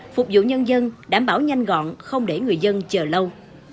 phục vụ nhân dân đảm bảo nhanh gọn không để người dân chờ lâu